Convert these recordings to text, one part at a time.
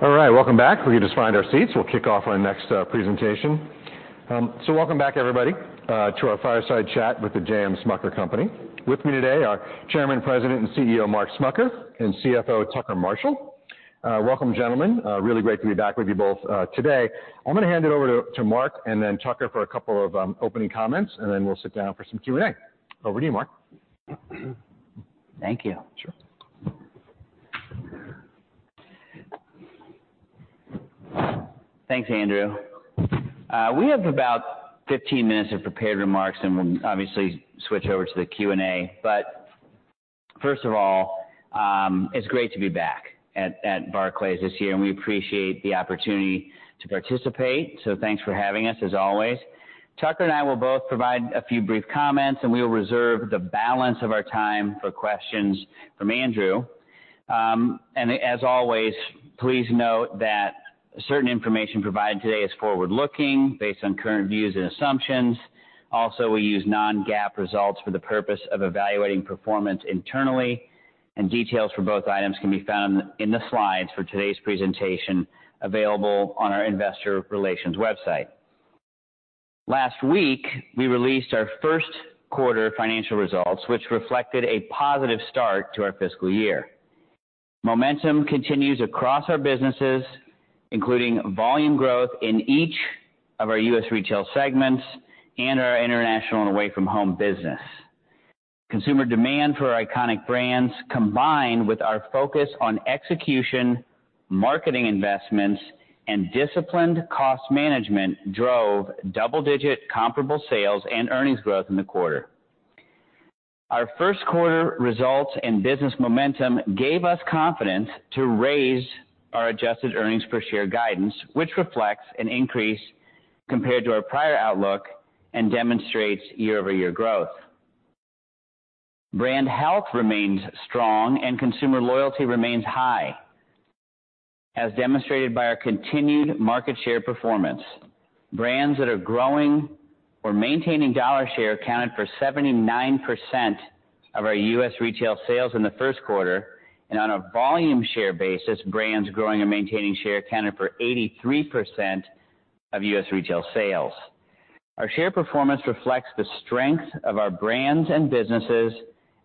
All right, welcome back. We can just find our seats. We'll kick off our next presentation. So welcome back, everybody, to our fireside chat with The J.M. Smucker Company. With me today are Chairman, President, and CEO Mark Smucker and CFO Tucker Marshall. Welcome, gentlemen. Really great to be back with you both today. I'm gonna hand it over to Mark and then Tucker for a couple of opening comments, and then we'll sit down for some Q&A. Over to you, Mark. Thank you. Thanks, Andrew. We have about 15 minutes of prepared remarks, and we'll obviously switch over to the Q&A. But first of all, it's great to be back at Barclays this year, and we appreciate the opportunity to participate, so thanks for having us, as always. Tucker and I will both provide a few brief comments, and we will reserve the balance of our time for questions from Andrew. And as always, please note that certain information provided today is forward-looking, based on current views and assumptions. Also, we use non-GAAP results for the purpose of evaluating performance internally, and details for both items can be found in the slides for today's presentation, available on our investor relations website. Last week, we released our first quarter financial results, which reflected a positive start to our fiscal year. Momentum continues across our businesses, including volume growth in each of our U.S. retail segments and our international and away-from-home business. Consumer demand for our iconic brands, combined with our focus on execution, marketing investments, and disciplined cost management, drove double-digit comparable sales and earnings growth in the quarter. Our first quarter results and business momentum gave us confidence to raise our adjusted earnings per share guidance, which reflects an increase compared to our prior outlook and demonstrates year-over-year growth. Brand health remains strong and consumer loyalty remains high, as demonstrated by our continued market share performance. Brands that are growing or maintaining dollar share accounted for 79% of our U.S. retail sales in the first quarter, and on a volume share basis, brands growing and maintaining share accounted for 83% of U.S. retail sales. Our share performance reflects the strength of our brands and businesses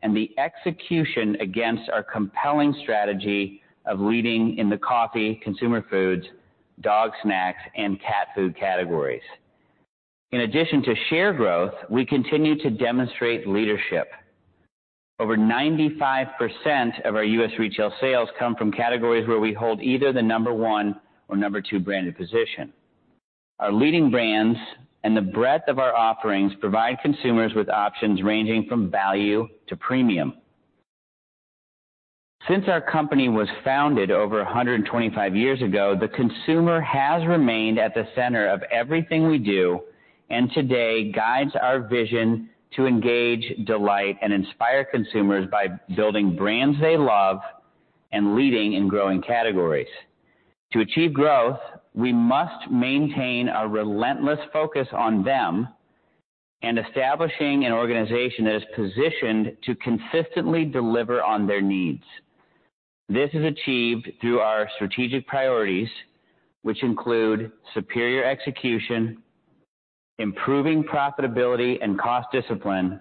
and the execution against our compelling strategy of leading in the coffee, consumer foods, dog snacks, and cat food categories. In addition to share growth, we continue to demonstrate leadership. Over 95% of our U.S. retail sales come from categories where we hold either the number one or number two branded position. Our leading brands and the breadth of our offerings provide consumers with options ranging from value to premium. Since our company was founded over 125 years ago, the consumer has remained at the center of everything we do, and today, guides our vision to engage, delight, and inspire consumers by building brands they love and leading in growing categories. To achieve growth, we must maintain a relentless focus on them and establishing an organization that is positioned to consistently deliver on their needs. This is achieved through our strategic priorities, which include superior execution, improving profitability and cost discipline,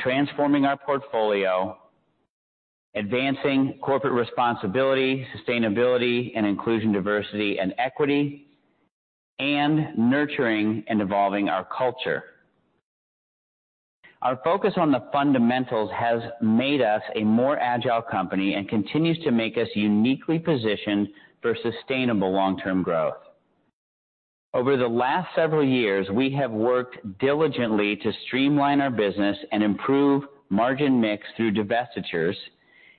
transforming our portfolio, advancing corporate responsibility, sustainability, and inclusion, diversity, and equity, and nurturing and evolving our culture. Our focus on the fundamentals has made us a more agile company and continues to make us uniquely positioned for sustainable long-term growth. Over the last several years, we have worked diligently to streamline our business and improve margin mix through divestitures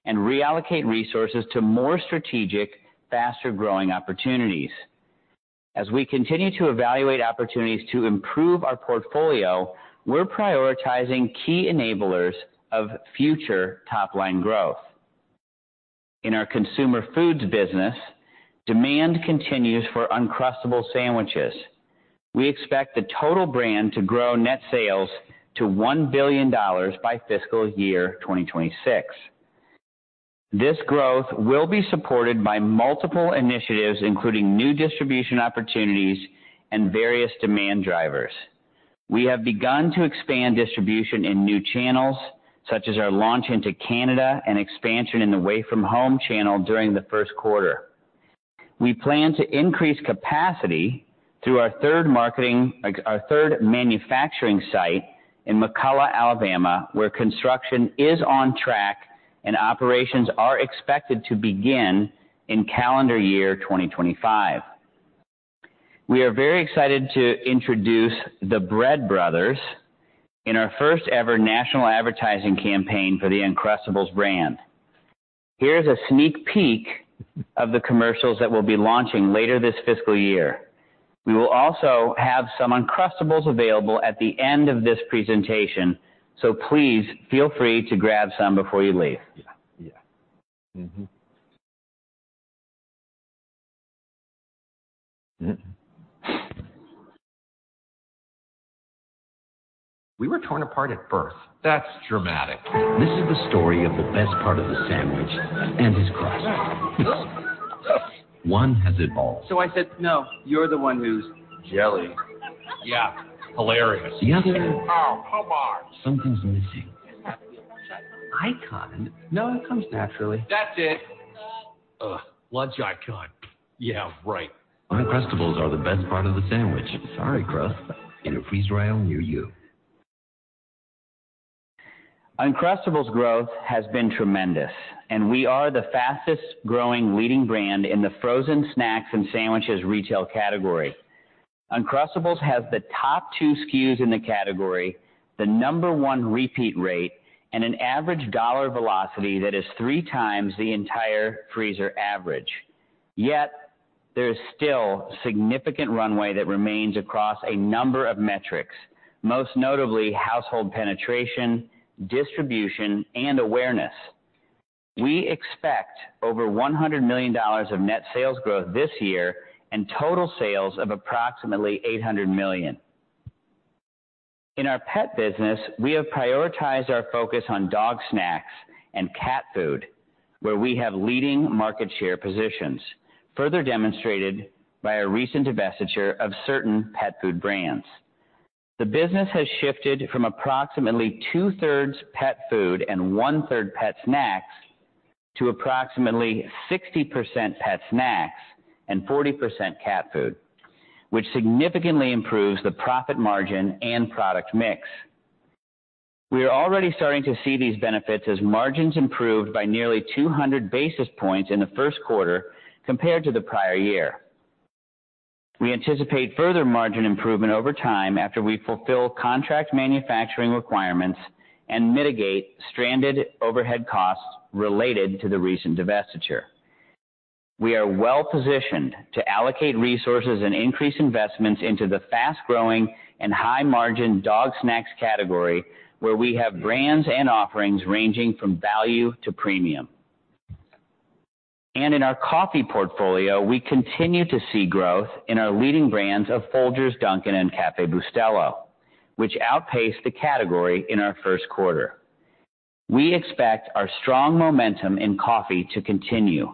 and reallocate resources to more strategic, faster-growing opportunities. As we continue to evaluate opportunities to improve our portfolio, we're prioritizing key enablers of future top-line growth. In our consumer foods business, demand continues for Uncrustables sandwiches. We expect the total brand to grow net sales to $1 billion by fiscal year 2026. This growth will be supported by multiple initiatives, including new distribution opportunities and various demand drivers. We have begun to expand distribution in new channels, such as our launch into Canada and expansion in the away-from-home channel during the first quarter. We plan to increase capacity through our third manufacturing site in McCalla, Alabama, where construction is on track and operations are expected to begin in calendar year 2025. We are very excited to introduce the Bread Brothers in our first-ever national advertising campaign for the Uncrustables brand. Here's a sneak peek of the commercials that we'll be launching later this fiscal year. We will also have some Uncrustables available at the end of this presentation, so please feel free to grab some before you leave. Yeah. Mm-hmm. We were torn apart at birth. That's dramatic. This is the story of the best part of the sandwich and his crust. One has evolved. So I said, "No, you're the one who's jelly. Yeah, hilarious. The other. Oh, come on! Something's missing. Icon? No, it comes naturally. That's it. Ugh, Lunch Icon. Yeah, right. Uncrustables are the best part of the sandwich. Sorry, crust. In a freezer aisle near you. Uncrustables growth has been tremendous, and we are the fastest-growing leading brand in the frozen snacks and sandwiches retail category. Uncrustables has the top two SKUs in the category, the number one repeat rate, and an average dollar velocity that is 3x the entire freezer average. Yet, there is still significant runway that remains across a number of metrics, most notably household penetration, distribution, and awareness. We expect over $100 million of net sales growth this year and total sales of approximately $800 million. In our pet business, we have prioritized our focus on dog snacks and cat food, where we have leading market share positions, further demonstrated by a recent divestiture of certain pet food brands. The business has shifted from approximately 2/3 pet food and 1/3 pet snacks to approximately 60% pet snacks and 40% cat food, which significantly improves the profit margin and product mix. We are already starting to see these benefits as margins improved by nearly 200 basis points in the first quarter compared to the prior year. We anticipate further margin improvement over time after we fulfill contract manufacturing requirements and mitigate stranded overhead costs related to the recent divestiture. We are well-positioned to allocate resources and increase investments into the fast-growing and high-margin dog snacks category, where we have brands and offerings ranging from value to premium. In our coffee portfolio, we continue to see growth in our leading brands of Folgers, Dunkin', and Café Bustelo, which outpaced the category in our first quarter. We expect our strong momentum in coffee to continue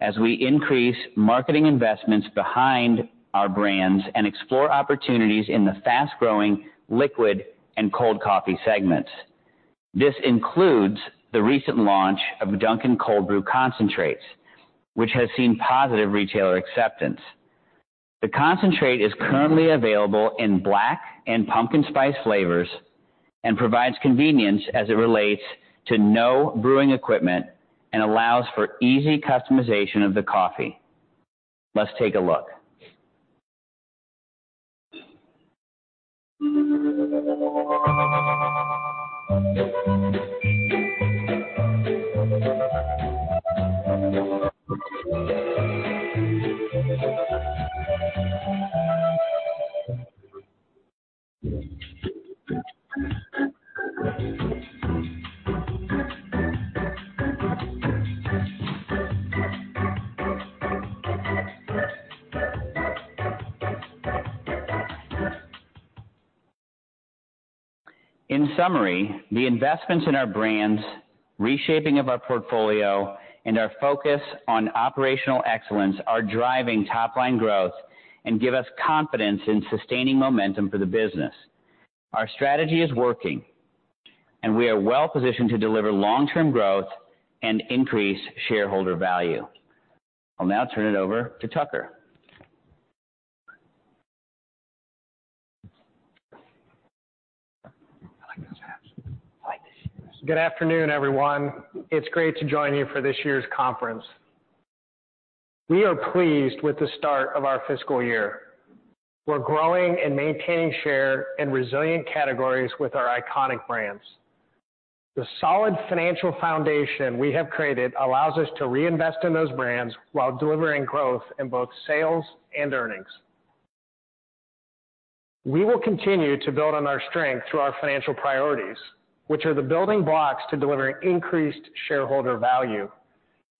as we increase marketing investments behind our brands and explore opportunities in the fast-growing liquid and cold coffee segments. This includes the recent launch of Dunkin' Cold Brew Concentrates, which has seen positive retailer acceptance. The concentrate is currently available in black and pumpkin spice flavors and provides convenience as it relates to no brewing equipment and allows for easy customization of the coffee. Let's take a look. In summary, the investments in our brands, reshaping of our portfolio, and our focus on operational excellence are driving top-line growth and give us confidence in sustaining momentum for the business. Our strategy is working, and we are well-positioned to deliver long-term growth and increase shareholder value. I'll now turn it over to Tucker. Good afternoon, everyone. It's great to join you for this year's conference. We are pleased with the start of our fiscal year. We're growing and maintaining share in resilient categories with our iconic brands. The solid financial foundation we have created allows us to reinvest in those brands while delivering growth in both sales and earnings. We will continue to build on our strength through our financial priorities, which are the building blocks to delivering increased shareholder value.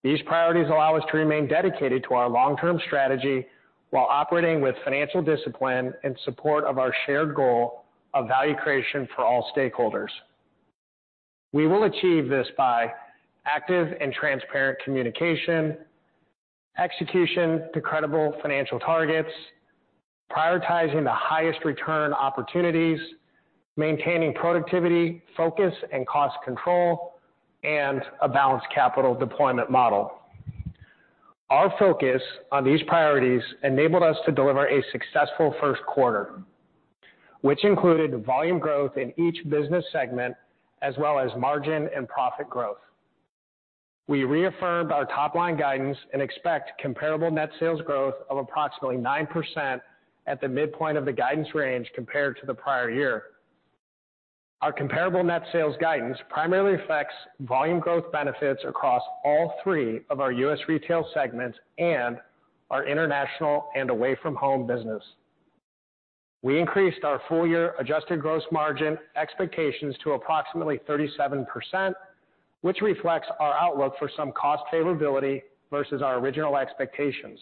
These priorities allow us to remain dedicated to our long-term strategy while operating with financial discipline in support of our shared goal of value creation for all stakeholders. We will achieve this by active and transparent communication, execution to credible financial targets, prioritizing the highest return opportunities, maintaining productivity, focus, and cost control, and a balanced capital deployment model. Our focus on these priorities enabled us to deliver a successful first quarter, which included volume growth in each business segment, as well as margin and profit growth. We reaffirmed our top-line guidance and expect comparable net sales growth of approximately 9% at the midpoint of the guidance range compared to the prior year. Our comparable net sales guidance primarily reflects volume growth benefits across all three of our U.S. retail segments and our international and away-from-home business. We increased our full-year adjusted gross margin expectations to approximately 37%, which reflects our outlook for some cost favorability versus our original expectations.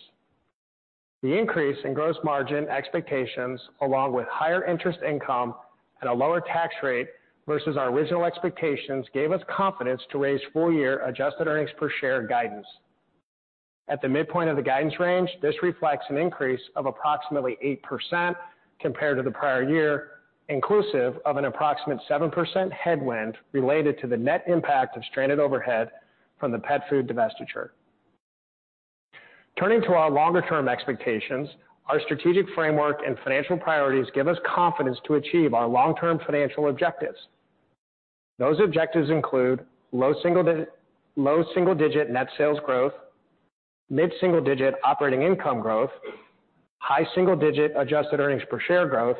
The increase in gross margin expectations, along with higher interest income and a lower tax rate versus our original expectations, gave us confidence to raise full-year adjusted earnings per share guidance. At the midpoint of the guidance range, this reflects an increase of approximately 8% compared to the prior year, inclusive of an approximate 7% headwind related to the net impact of stranded overhead from the pet food divestiture. Turning to our longer-term expectations, our strategic framework and financial priorities give us confidence to achieve our long-term financial objectives. Those objectives include low single-digit net sales growth, mid-single-digit operating income growth, high single-digit adjusted earnings per share growth,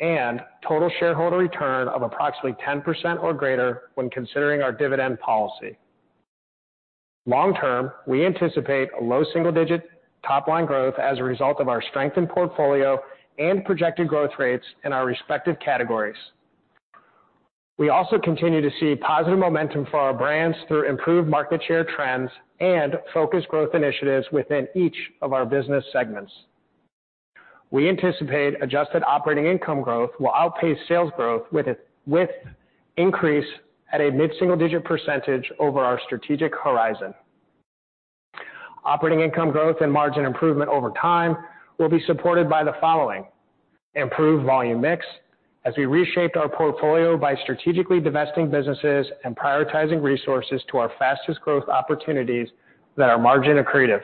and total shareholder return of approximately 10% or greater when considering our dividend policy. Long term, we anticipate a low single-digit top-line growth as a result of our strengthened portfolio and projected growth rates in our respective categories. We also continue to see positive momentum for our brands through improved market share trends and focused growth initiatives within each of our business segments. We anticipate adjusted operating income growth will outpace sales growth, with increase at a mid-single-digit percentage over our strategic horizon. Operating income growth and margin improvement over time will be supported by the following: improved volume mix as we reshaped our portfolio by strategically divesting businesses and prioritizing resources to our fastest growth opportunities that are margin accretive,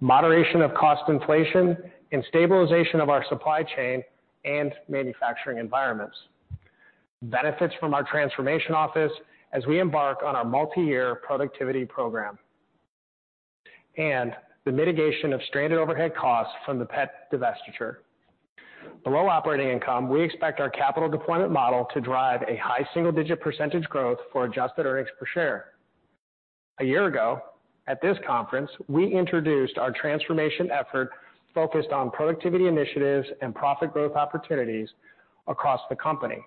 moderation of cost inflation, and stabilization of our supply chain and manufacturing environments, benefits from our Transformation Office as we embark on our multiyear productivity program, and the mitigation of stranded overhead costs from the pet divestiture. Below operating income, we expect our capital deployment model to drive a high single-digit % growth for adjusted earnings per share. A year ago, at this conference, we introduced our transformation effort focused on productivity initiatives and profit growth opportunities across the company.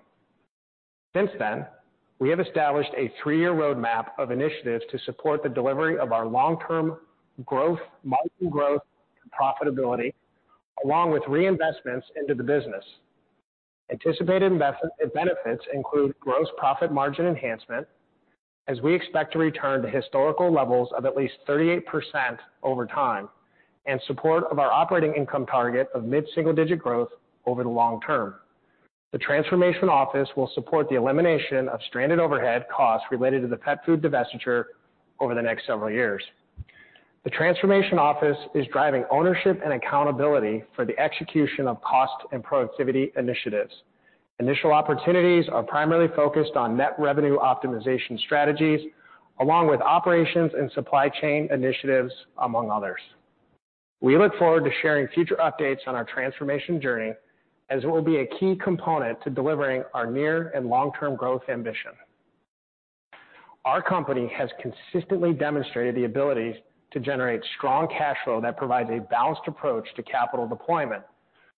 Since then, we have established a three-year roadmap of initiatives to support the delivery of our long-term growth, margin growth and profitability, along with reinvestments into the business. Anticipated investment benefits include gross profit margin enhancement, as we expect to return to historical levels of at least 38% over time and support of our operating income target of mid-single-digit growth over the long term. The Transformation Office will support the elimination of stranded overhead costs related to the pet food divestiture over the next several years. The Transformation Office is driving ownership and accountability for the execution of cost and productivity initiatives. Initial opportunities are primarily focused on net revenue optimization strategies, along with operations and supply chain initiatives, among others. We look forward to sharing future updates on our transformation journey, as it will be a key component to delivering our near and long-term growth ambition. Our company has consistently demonstrated the ability to generate strong cash flow that provides a balanced approach to capital deployment.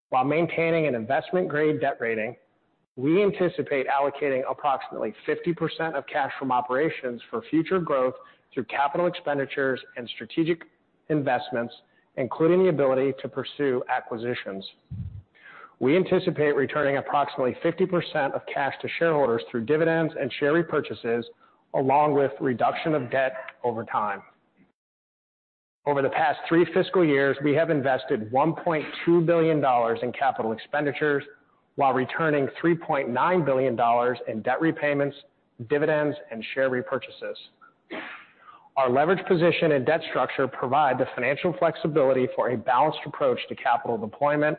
While maintaining an investment-grade debt rating, we anticipate allocating approximately 50% of cash from operations for future growth through capital expenditures and strategic investments, including the ability to pursue acquisitions. We anticipate returning approximately 50% of cash to shareholders through dividends and share repurchases, along with reduction of debt over time. Over the past three fiscal years, we have invested $1.2 billion in capital expenditures while returning $3.9 billion in debt repayments, dividends, and share repurchases. Our leverage position and debt structure provide the financial flexibility for a balanced approach to capital deployment.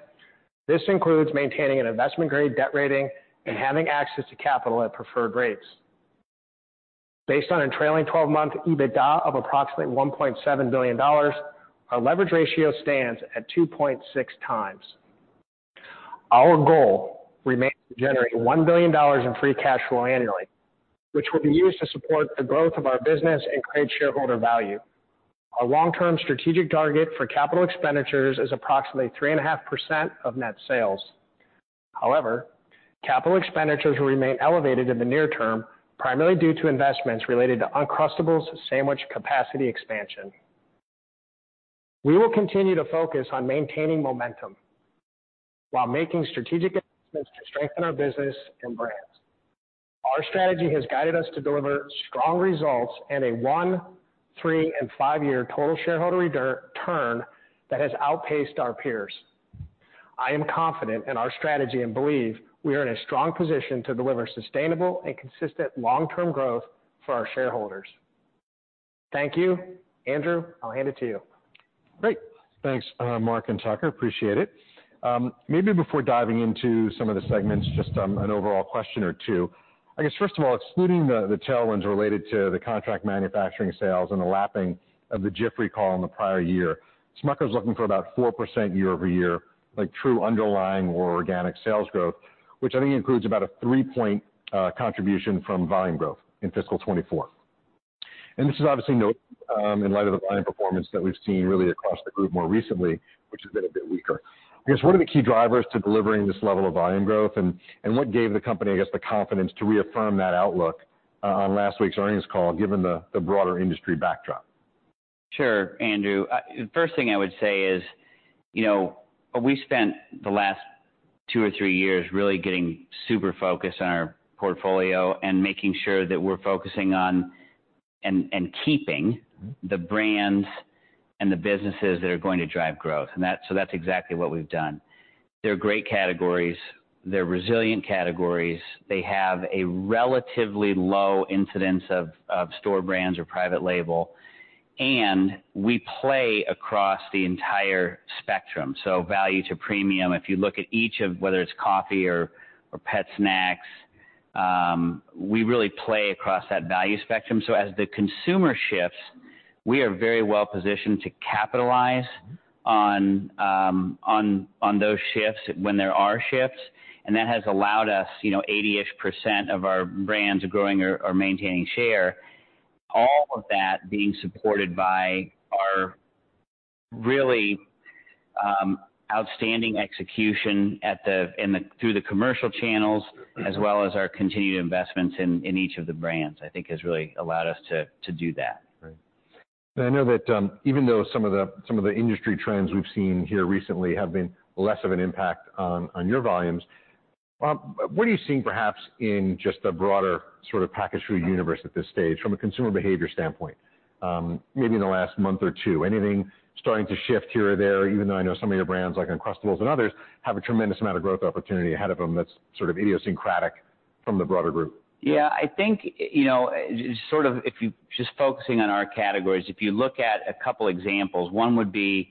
This includes maintaining an investment-grade debt rating and having access to capital at preferred rates. Based on a trailing twelve-month EBITDA of approximately $1.7 billion, our leverage ratio stands at 2.6x. Our goal remains to generate $1 billion in free cash flow annually, which will be used to support the growth of our business and create shareholder value. Our long-term strategic target for capital expenditures is approximately 3.5% of net sales. However, capital expenditures will remain elevated in the near term, primarily due to investments related to Uncrustables sandwich capacity expansion. We will continue to focus on maintaining momentum while making strategic investments to strengthen our business and brands. Our strategy has guided us to deliver strong results and a one, three, and five-year total shareholder return that has outpaced our peers. I am confident in our strategy and believe we are in a strong position to deliver sustainable and consistent long-term growth for our shareholders. Thank you. Andrew, I'll hand it to you. Great. Thanks, Mark and Tucker. Appreciate it. Maybe before diving into some of the segments, just an overall question or two. I guess, first of all, excluding the tailwinds related to the contract manufacturing sales and the lapping of the Jif recall in the prior year, Smucker was looking for about 4% year-over-year, like true underlying or organic sales growth, which I think includes about a three-point contribution from volume growth in fiscal 2024. And this is obviously not in light of the volume performance that we've seen really across the group more recently, which has been a bit weaker. I guess, what are the key drivers to delivering this level of volume growth, and what gave the company, I guess, the confidence to reaffirm that outlook on last week's earnings call, given the broader industry backdrop? Sure, Andrew. The first thing I would say is, you know, we spent the last two or three years really getting super focused on our portfolio and making sure that we're focusing on, and keeping the brands and the businesses that are going to drive growth. That's exactly what we've done. They're great categories, they're resilient categories. They have a relatively low incidence of store brands or private label, and we play across the entire spectrum, so value to premium. If you look at each of whether it's coffee or pet snacks, we really play across that value spectrum. So as the consumer shifts, we are very well positioned to capitalize on those shifts when there are shifts. And that has allowed us, you know, 80-ish% of our brands are growing or maintaining share. All of that being supported by our really outstanding execution through the commercial channels, as well as our continued investments in each of the brands, I think has really allowed us to do that. Right. And I know that, even though some of the, some of the industry trends we've seen here recently have been less of an impact on, on your volumes, what are you seeing perhaps in just the broader sort of packaged food universe at this stage, from a consumer behavior standpoint, maybe in the last month or two? Anything starting to shift here or there, even though I know some of your brands, like Uncrustables and others, have a tremendous amount of growth opportunity ahead of them that's sort of idiosyncratic from the broader group? Yeah, I think, you know, sort of if you just focusing on our categories, if you look at a couple examples, one would be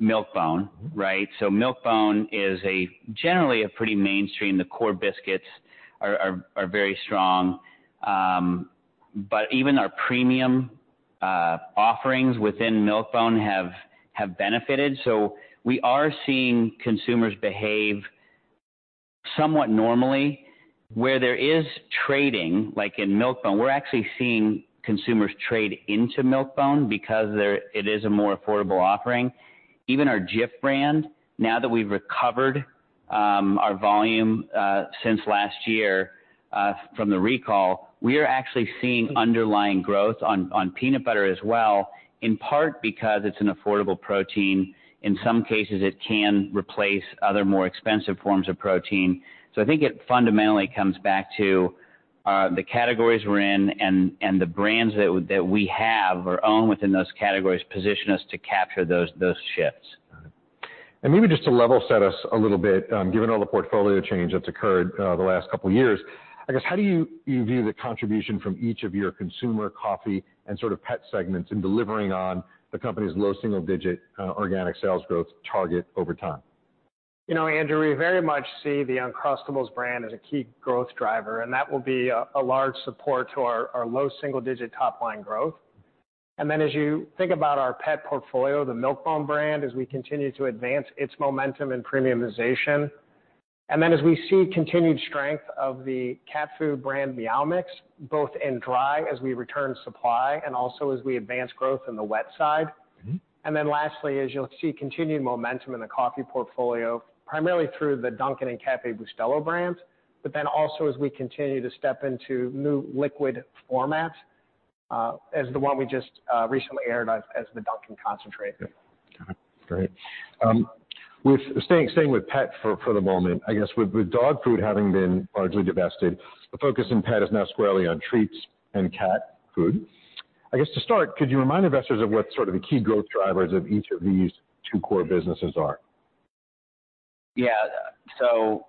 Milk-Bone, right? So Milk-Bone is generally a pretty mainstream. The core biscuits are very strong, but even our premium offerings within Milk-Bone have benefited. So we are seeing consumers behave somewhat normally. Where there is trading, like in Milk-Bone, we're actually seeing consumers trade into Milk-Bone because there, it is a more affordable offering. Even our Jif brand, now that we've recovered our volume since last year from the recall, we are actually seeing underlying growth on peanut butter as well, in part because it's an affordable protein. In some cases, it can replace other more expensive forms of protein. I think it fundamentally comes back to the categories we're in and the brands that we have or own within those categories, position us to capture those shifts. Got it. And maybe just to level set us a little bit, given all the portfolio change that's occurred, the last couple of years, I guess, how do you view the contribution from each of your consumer coffee and sort of pet segments in delivering on the company's low single-digit organic sales growth target over time? You know, Andrew, we very much see the Uncrustables brand as a key growth driver, and that will be a large support to our low single digit top line growth. And then as you think about our pet portfolio, the Milk-Bone brand, as we continue to advance its momentum and premiumization. And then as we see continued strength of the cat food brand, Meow Mix, both in dry as we return supply and also as we advance growth in the wet side. And then lastly, as you'll see continued momentum in the coffee portfolio, primarily through the Dunkin' and Café Bustelo brands, but then also as we continue to step into new liquid formats, as the one we just recently aired as the Dunkin' Concentrate. Yeah. Okay, great. With staying with pet for the moment. I guess with dog food having been largely divested, the focus in pet is now squarely on treats and cat food. I guess to start, could you remind investors of what sort of the key growth drivers of each of these two core businesses are? Yeah. So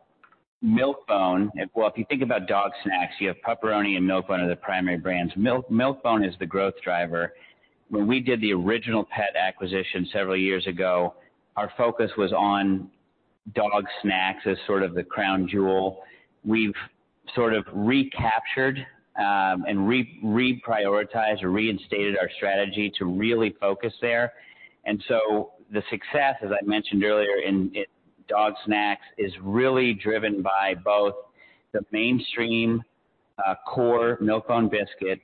Milk-Bone. Well, if you think about dog snacks, you have Pup-Peroni and Milk-Bone are the primary brands. Milk-Bone is the growth driver. When we did the original pet acquisition several years ago, our focus was on dog snacks as sort of the crown jewel. We've sort of recaptured and reprioritized or reinstated our strategy to really focus there. And so the success, as I mentioned earlier, in dog snacks, is really driven by both the mainstream core Milk-Bone biscuit,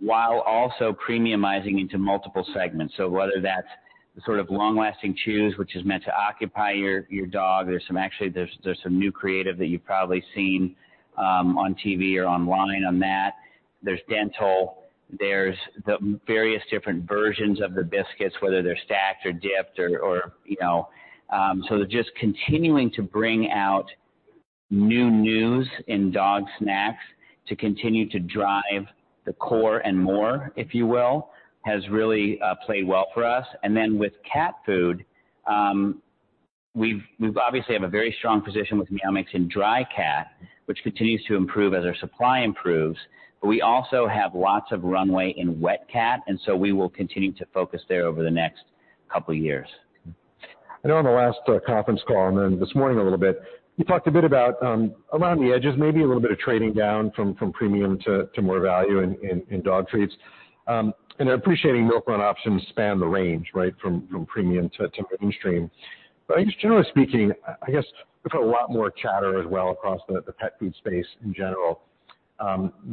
while also premiumizing into multiple segments. So whether that's the sort of long lasting chews, which is meant to occupy your dog. Actually, there's some new creative that you've probably seen on TV or online on that. There's dental, there's the various different versions of the biscuits, whether they're stacked or dipped. So they're just continuing to bring out new news in dog snacks to continue to drive the core and more, if you will, has really played well for us. And then with cat food, we've obviously have a very strong position with Meow Mix in dry cat, which continues to improve as our supply improves, but we also have lots of runway in wet cat, and so we will continue to focus there over the next couple of years. I know on the last conference call and then this morning a little bit, you talked a bit about around the edges, maybe a little bit of trading down from premium to more value in dog treats. And I'm appreciating Milk-Bone options span the range, right? From premium to mainstream. But I guess generally speaking, I guess we've heard a lot more chatter as well across the pet food space in general,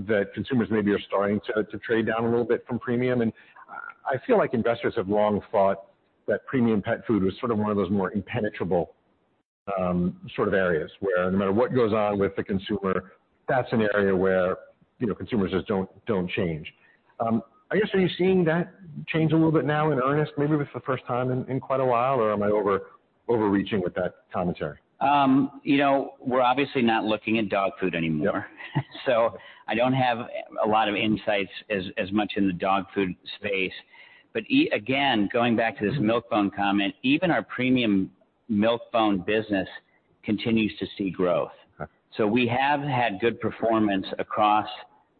that consumers maybe are starting to trade down a little bit from premium. And I feel like investors have long thought that premium pet food was sort of one of those more impenetrable sort of areas, where no matter what goes on with the consumer, that's an area where, you know, consumers just don't change. I guess, are you seeing that change a little bit now in earnest, maybe for the first time in quite a while, or am I overreaching with that commentary? You know, we're obviously not looking at dog food anymore. So I don't have a lot of insights as much in the dog food space. But again, going back to this Milk-Bone comment, even our premium Milk-Bone business continues to see growth. So we have had good performance across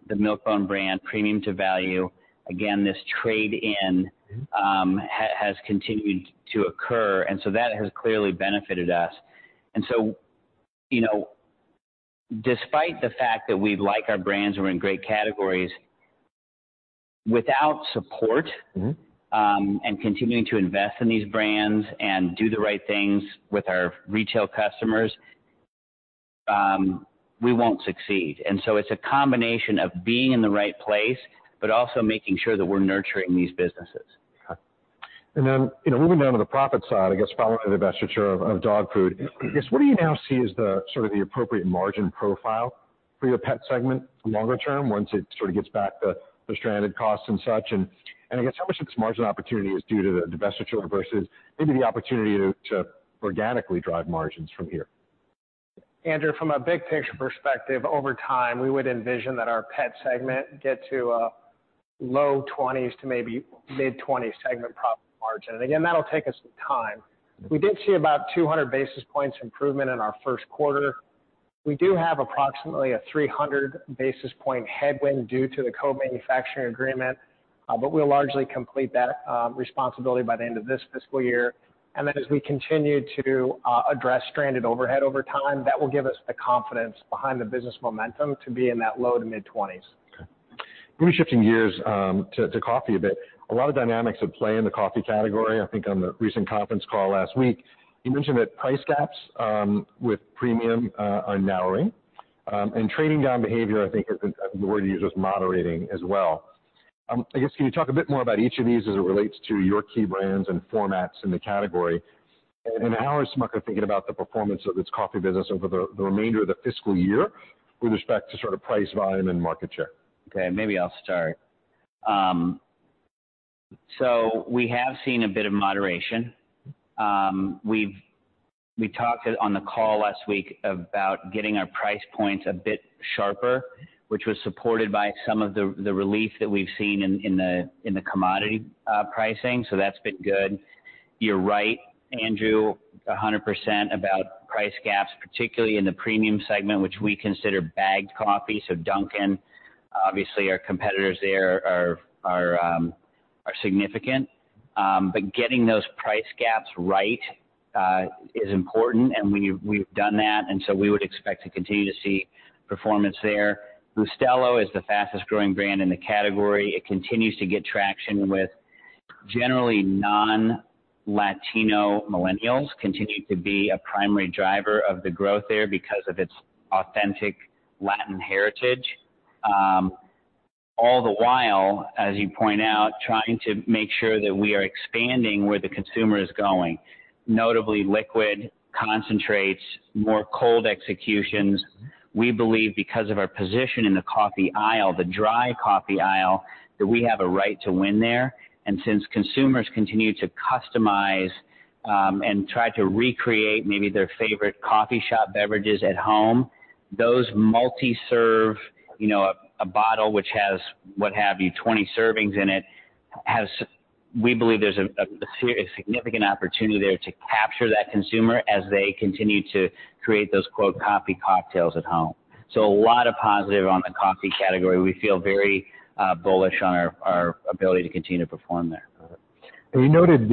the Milk-Bone brand, premium to value. Again, this trade-in has continued to occur, and so that has clearly benefited us. And so, you know, despite the fact that we like our brands, we're in great categories, without support and continuing to invest in these brands and do the right things with our retail customers, we won't succeed. And so it's a combination of being in the right place, but also making sure that we're nurturing these businesses. Okay. And then, you know, moving down to the profit side, I guess, following the divestiture of dog food, I guess, what do you now see as the sort of appropriate margin profile for your pet segment longer term, once it sort of gets back the stranded costs and such? And I guess, how much of this margin opportunity is due to the divestiture versus maybe the opportunity to organically drive margins from here? Andrew, from a big picture perspective, over time, we would envision that our pet segment get to a low 20s to maybe mid-20s segment profit margin. Again, that'll take us some time. We did see about 200 basis points improvement in our first quarter. We do have approximately a 300 basis point headwind due to the co-manufacturing agreement, but we'll largely complete that responsibility by the end of this fiscal year. And then as we continue to address stranded overhead over time, that will give us the confidence behind the business momentum to be in that low to mid-20s. Okay. Let me shifting gears to coffee a bit. A lot of dynamics at play in the coffee category. I think on the recent conference call last week, you mentioned that price gaps with premium are narrowing and trading down behavior, I think the word you used was moderating as well. I guess, can you talk a bit more about each of these as it relates to your key brands and formats in the category? And how is Smucker thinking about the performance of its coffee business over the remainder of the fiscal year with respect to sort of price, volume, and market share? Okay, maybe I'll start. So we have seen a bit of moderation. We've talked on the call last week about getting our price points a bit sharper, which was supported by some of the relief that we've seen in the commodity pricing, so that's been good. You're right, Andrew, 100% about price gaps, particularly in the premium segment, which we consider bagged coffee. So Dunkin', obviously, our competitors there are significant. But getting those price gaps right is important, and we've done that, and so we would expect to continue to see performance there. Bustelo is the fastest growing brand in the category. It continues to get traction with generally non-Latino millennials, continue to be a primary driver of the growth there because of its authentic Latin heritage. All the while, as you point out, trying to make sure that we are expanding where the consumer is going, notably liquid, concentrates, more cold executions. We believe because of our position in the coffee aisle, the dry coffee aisle, that we have a right to win there. And since consumers continue to customize, and try to recreate maybe their favorite coffee shop beverages at home, those multi-serve, you know, a bottle which has, what have you, 20 servings in it, has. We believe there's a significant opportunity there to capture that consumer as they continue to create those quote, "coffee cocktails at home." So a lot of positive on the coffee category. We feel very bullish on our ability to continue to perform there. Okay. And you noted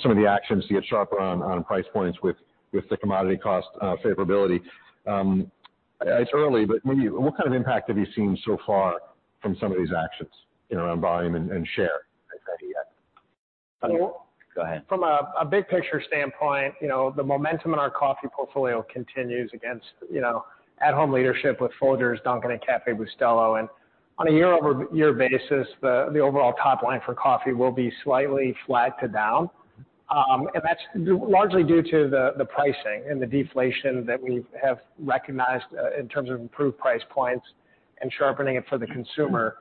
some of the actions to get sharper on price points with the commodity cost favorability. It's early, but maybe what kind of impact have you seen so far from some of these actions, you know, on volume and share as idea? From a big picture standpoint, you know, the momentum in our coffee portfolio continues with, you know, at-home leadership with Folgers, Dunkin', and Café Bustelo. And on a year-over-year basis, the overall top line for coffee will be slightly flat to down. And that's largely due to the pricing and the deflation that we have recognized in terms of improved price points and sharpening it for the consumer.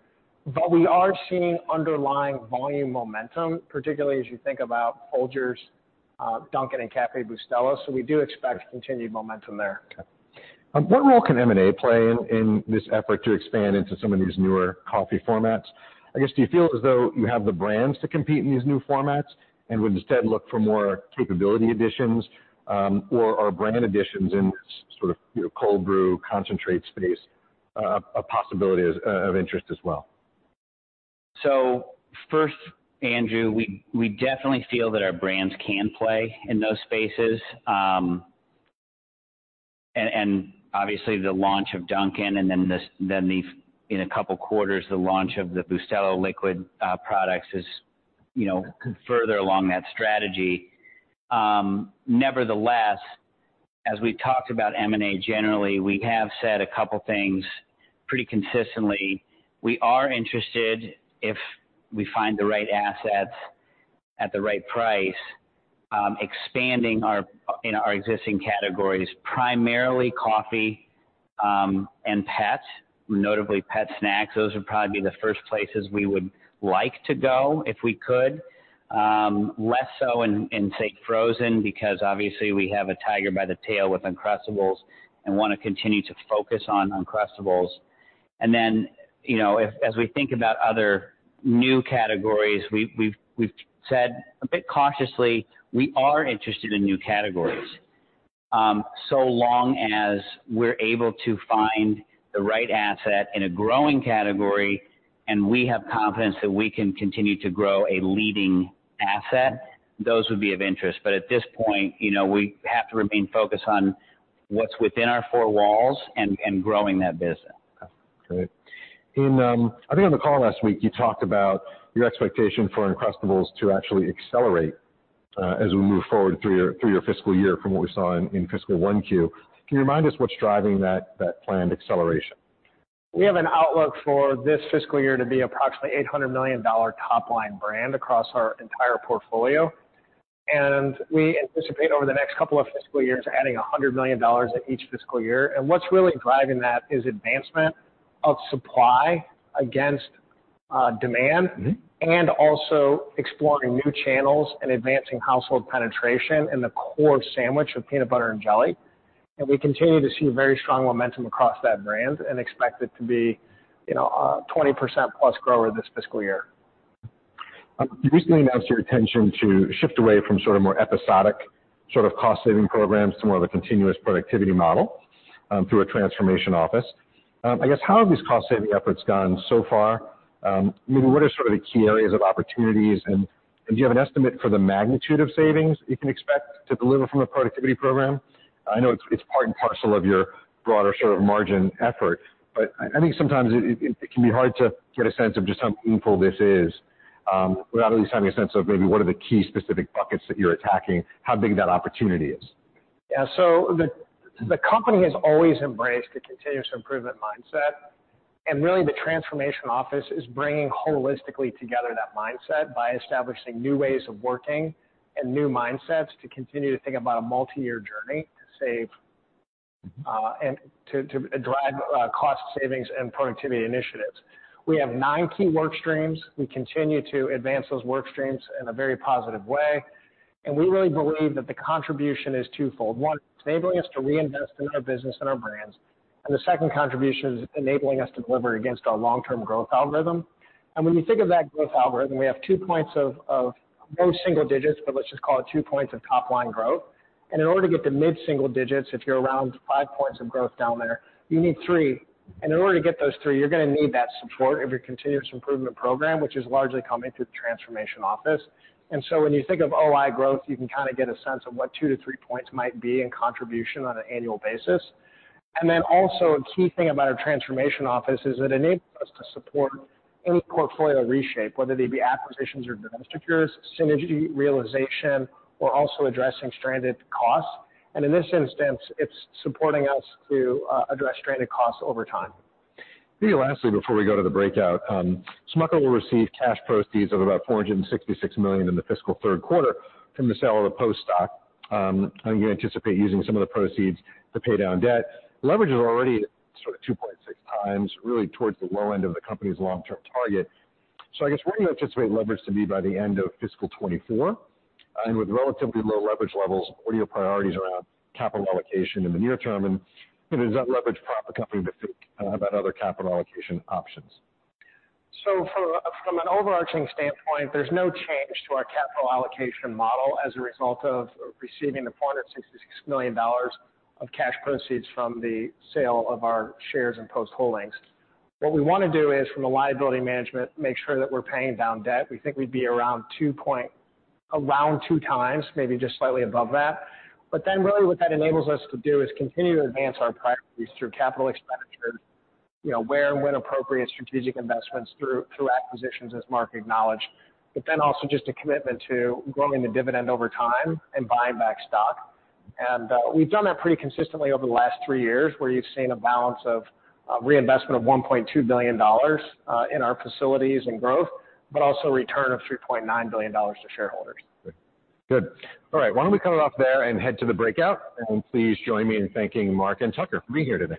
But we are seeing underlying volume momentum, particularly as you think about Folgers, Dunkin' and Café Bustelo. So we do expect continued momentum there. Okay. What role can M&A play in this effort to expand into some of these newer coffee formats? I guess, do you feel as though you have the brands to compete in these new formats and would instead look for more capability additions, or brand additions in this sort of, you know, cold brew concentrate space, a possibility of interest as well? So first, Andrew, we definitely feel that our brands can play in those spaces. And obviously, the launch of Dunkin' and then then the, in a couple of quarters, the launch of the Bustelo liquid products is, you know, further along that strategy. Nevertheless, as we talked about M&A, generally, we have said a couple things pretty consistently. We are interested, if we find the right assets at the right price, expanding our, in our existing categories, primarily coffee, and pet, notably pet snacks. Those would probably be the first places we would like to go if we could. Less so in, say, frozen, because obviously we have a tiger by the tail with Uncrustables and wanna continue to focus on Uncrustables. As we think about other new categories, we've said a bit cautiously, we are interested in new categories. So long as we're able to find the right asset in a growing category, and we have confidence that we can continue to grow a leading asset, those would be of interest. But at this point, you know, we have to remain focused on what's within our four walls and growing that business. Great. In, I think on the call last week, you talked about your expectation for Uncrustables to actually accelerate as we move forward through your fiscal year from what we saw in fiscal Q1. Can you remind us what's driving that planned acceleration? We have an outlook for this fiscal year to be approximately $800 million top-line brand across our entire portfolio. We anticipate over the next couple of fiscal years, adding $100 million at each fiscal year. What's really driving that is advancement of supply against demand and also exploring new channels and advancing household penetration in the core sandwich of peanut butter and jelly. We continue to see very strong momentum across that brand and expect it to be, you know, a 20%+ grower this fiscal year. You recently announced your intention to shift away from sort of more episodic, sort of cost-saving programs to more of a continuous productivity model, through a Transformation Office. I guess, how have these cost-saving efforts gone so far? I mean, what are sort of the key areas of opportunities, and do you have an estimate for the magnitude of savings you can expect to deliver from a productivity program? I know it's, it's part and parcel of your broader sort of margin effort, but I, I think sometimes it can be hard to get a sense of just how meaningful this is, without at least having a sense of maybe what are the key specific buckets that you're attacking, how big that opportunity is. Yeah. The company has always embraced a continuous improvement mindset, and really, the Transformation Office is bringing holistically together that mindset by establishing new ways of working and new mindsets to continue to think about a multi-year journey to save and to drive cost savings and productivity initiatives. We have nine key work streams. We continue to advance those work streams in a very positive way, and we really believe that the contribution is twofold. One, it's enabling us to reinvest in our business and our brands, and the second contribution is enabling us to deliver against our long-term growth algorithm. And when you think of that growth algorithm, we have two points of both single digits, but let's just call it two points of top-line growth. In order to get to mid-single digits, if you're around five points of growth down there, you need three. In order to get those three, you're gonna need that support of your continuous improvement program, which is largely coming through the Transformation Office. So when you think of OI growth, you can kinda get a sense of what two to three points might be in contribution on an annual basis. Then also, a key thing about our Transformation Office is it enables us to support any portfolio reshape, whether they be acquisitions or divestitures, synergy realization, or also addressing stranded costs. In this instance, it's supporting us to address stranded costs over time. Maybe lastly, before we go to the breakout, Smucker will receive cash proceeds of about $466 million in the fiscal third quarter from the sale of the Post stock. And you anticipate using some of the proceeds to pay down debt. Leverage is already sort of 2.6x, really towards the low end of the company's long-term target. So I guess, where do you anticipate leverage to be by the end of fiscal 2024? And with relatively low leverage levels, what are your priorities around capital allocation in the near term, and, you know, does that leverage prop the company to think about other capital allocation options? From an overarching standpoint, there's no change to our capital allocation model as a result of receiving the $466 million of cash proceeds from the sale of our shares in Post Holdings. What we wanna do is, from a liability management, make sure that we're paying down debt. We think we'd be around 2x, maybe just slightly above that. But then really what that enables us to do is continue to advance our priorities through capital expenditures, you know, where and when appropriate, strategic investments through acquisitions, as Mark acknowledged. But then also just a commitment to growing the dividend over time and buying back stock. We've done that pretty consistently over the last three years, where you've seen a balance of reinvestment of $1.2 billion in our facilities and growth, but also a return of $3.9 billion to shareholders. Good. All right, why don't we cut it off there and head to the breakout? Please join me in thanking Mark and Tucker for being here today.